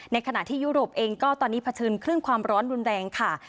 ขณะที่ยุโรปเองก็ตอนนี้เผชิญคลื่นความร้อนรุนแรงค่ะ